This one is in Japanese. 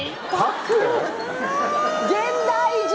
現代人。